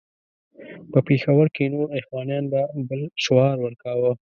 په پېښور کې نور اخوانیان به بل شعار ورکاوه.